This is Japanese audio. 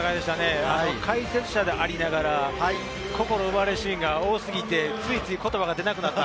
解説者でありながら、心奪われるシーンが多すぎて言葉が出なくなった。